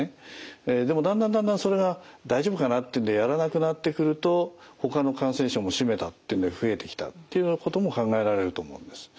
でもだんだんだんだんそれが大丈夫かなっていうんでやらなくなってくるとほかの感染症も「しめた！」っていうんで増えてきたっていうようなことも考えられると思うんです。